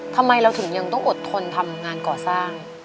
ทำไมเราถึงยังต้องอดทนทำงานก่อสร้าง